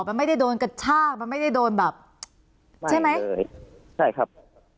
มันไม่ได้โดนกระชากมันไม่ได้โดนแบบใช่ไหมเฉยใช่ครับ